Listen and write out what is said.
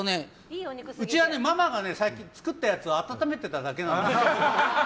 うちはねママが作ってたやつを温めてただけなんだ。